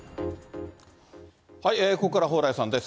ここからは蓬莱さんです。